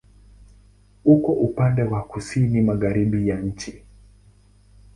Uko upande wa kusini-magharibi ya nchi.